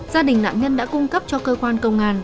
gia đình nạn nhân đã cung cấp cho cơ quan công an